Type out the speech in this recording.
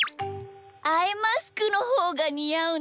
アイマスクのほうがにあうんじゃない？